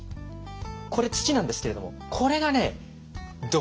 これ土なんですけれどもこれがね土壇場。